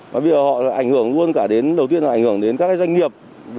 bởi vì họ ảnh hưởng luôn cả đến đầu tiên là ảnh hưởng đến các doanh nghiệp